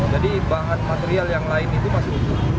jadi bahan material yang lain itu masih utuh